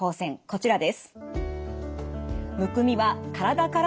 こちらです。